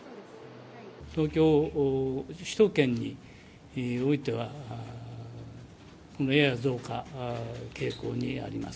東京首都圏においては、やや増加傾向にあります。